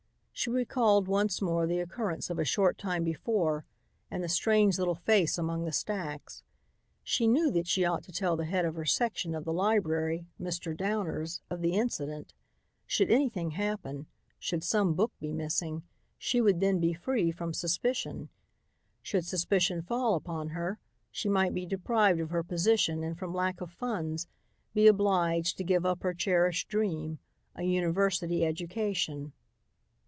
She recalled once more the occurrence of a short time before and the strange little face among the stacks. She knew that she ought to tell the head of her section of the library, Mr. Downers, of the incident. Should anything happen, should some book be missing, she would then be free from suspicion. Should suspicion fall upon her, she might be deprived of her position and, from lack of funds, be obliged to give up her cherished dream, a university education.